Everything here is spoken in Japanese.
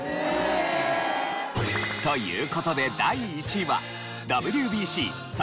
という事で第１位はＷＢＣ侍